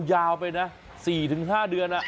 ยาวไปนะ๔๕เดือน